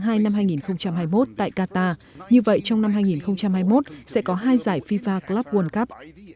thứ hai năm hai nghìn hai mươi một tại qatar như vậy trong năm hai nghìn hai mươi một sẽ có hai giải fifa club world cup